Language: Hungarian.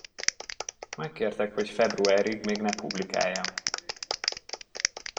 Megkértek, hogy februárig még ne publikáljam.